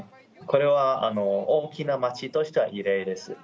これは大きな街としては異例です。